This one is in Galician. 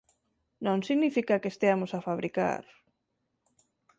Non significa que esteamos a fabricar...